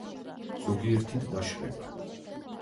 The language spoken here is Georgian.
ზოგიერთი ტბა შრება.